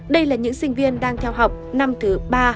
đây là những sinh viên đang theo học năm thứ ba bốn năm sáu